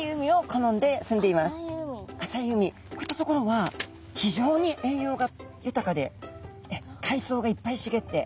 こういった所は非常に栄養が豊かでかいそうがいっぱいしげって。